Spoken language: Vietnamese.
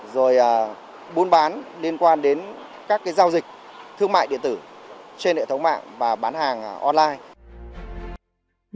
rồi buôn bán liên quan đến các giao dịch thương mại điện tử trên hệ thống mạng và bán hàng online